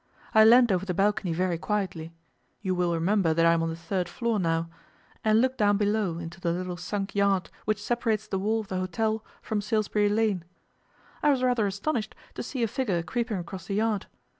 I leaned over the balcony very quietly you will remember that I am on the third floor now and looked down below into the little sunk yard which separates the wall of the hotel from Salisbury Lane. I was rather astonished to see a figure creeping across the yard.